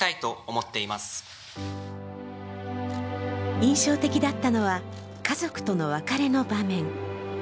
印象的だったのは、家族との別れの場面。